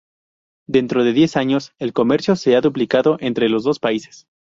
Dentro de los diez años, el comercio se ha duplicado entre los dos países.